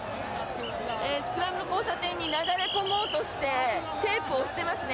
スクランブル交差点になだれ込もうとしてテープを押していますね。